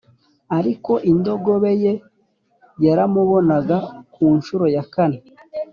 ariko indogobe ye yaramubonaga Ku ncuro ya kane